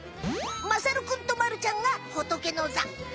まさるくんとまるちゃんがホトケノザ。